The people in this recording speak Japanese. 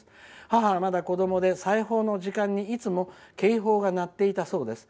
母はまだ子どもで裁縫の時間にいつも警報が鳴っていたそうです。